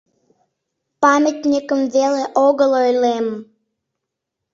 Памятникым веле огыл ойлем.